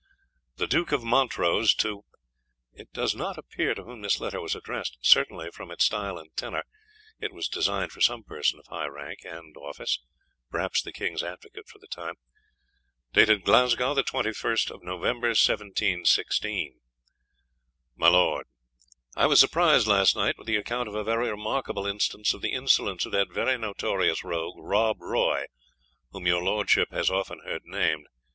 _The Duke of Montrose to _It does not appear to whom this letter was addressed. Certainly, from its style and tenor, It was designed for some person high in rank and office perhaps the King's Advocate for the time. "Glasgow, the 21st November, 1716. "My Lord, I was surprised last night with the account of a very remarkable instance of the insolence of that very notorious rogue Rob Roy, whom your lordship has often heard named.